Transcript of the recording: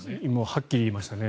はっきり言いましたね。